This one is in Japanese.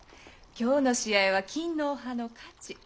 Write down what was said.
今日の試合は勤皇派の勝ち。